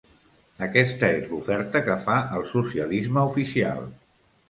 Aquesta és l’oferta que fa el socialisme oficial.